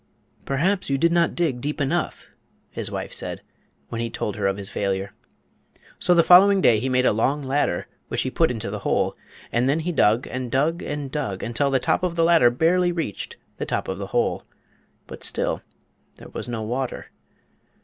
"Perhaps you did not dig deep enough," his wife said, when he told her of his failure. So the following day he made a long ladder, which he put into the hole; and then he dug, and dug, and dug, until the top of the ladder barely reached the top of the hole. But still there was no water.